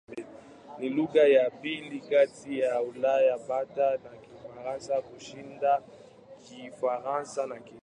Ni lugha ya pili katika Ulaya baada ya Kirusi kushinda Kifaransa na Kiingereza.